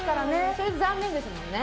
それ残念ですもんね。